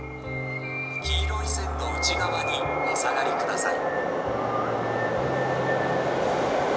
黄色い線の内側にお下がり下さい」。